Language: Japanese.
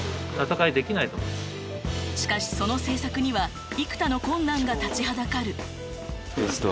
しかし、その制作には幾多の困難が立ちはだかる。